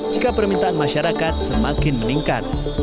jika permintaan masyarakat semakin meningkat